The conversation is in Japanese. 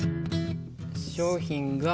商品が。